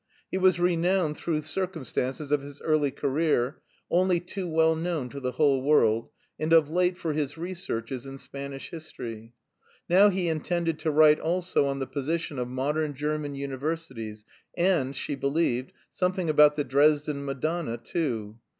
He was renowned through circumstances of his early career, "only too well known to the whole world," and of late for his researches in Spanish history. Now he intended to write also on the position of modern German universities, and, she believed, something about the Dresden Madonna too.